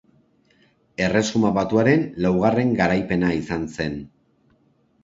Erresuma Batuaren laugarren garaipena izan zen.